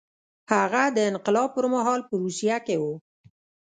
هغه د انقلاب پر مهال په روسیه کې و